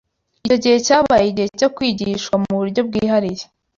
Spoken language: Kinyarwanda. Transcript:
Icyo gihe cyabaye igihe cyo kwigishwa mu buryo bwihariye